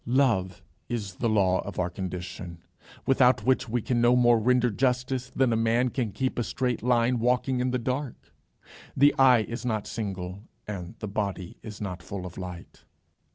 Love is the law of our condition, without which we can no more render justice than a man can keep a straight line walking in the dark. The eye is not single, and the body is not full of light.